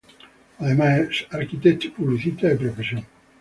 Además es arquitecto y publicista de profesión.